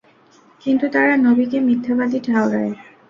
কিন্তু তারা নবীকে মিথ্যাবাদী ঠাওরায়।